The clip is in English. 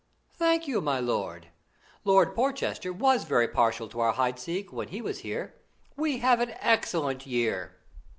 "Thank you, my lord. Lord Porchester was very partial to our Hideseek when he was here. We have an excellent year."